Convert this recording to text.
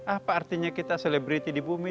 apa artinya kita selebriti di bumi